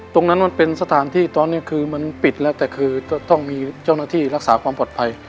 ตรงนั้นมันเป็นสถานที่ตอนนี้คือมันปิดแล้วแต่คือจะต้องมีเจ้าหน้าที่รักษาความปลอดภัย